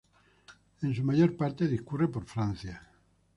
En su mayor parte discurre por Francia.